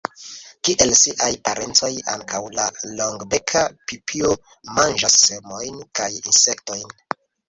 Kiel siaj parencoj, ankaŭ la Longbeka pipio manĝas semojn kaj insektojn.